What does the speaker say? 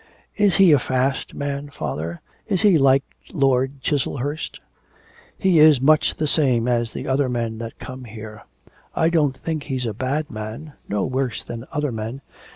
'Is he a fast man, father, is he like Lord Chiselhurst?' 'He is much the same as the other men that come here. I don't think he's a bad man no worse than other men.